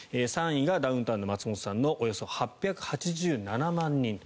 ３位がダウンタウンの松本さんのおよそ８８７万人。